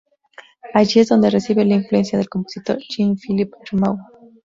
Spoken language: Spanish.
Allí es donde recibe la influencia del compositor Jean-Philippe Rameau.